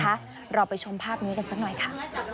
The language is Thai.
เราไปชมภาพนี้กันสักหน่อยค่ะ